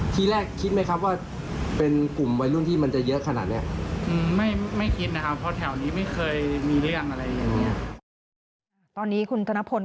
ตอนนี้คุณธนพล